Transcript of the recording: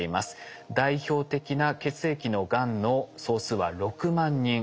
代表的な血液のがんの総数は６万人。